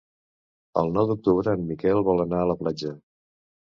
El nou d'octubre en Miquel vol anar a la platja.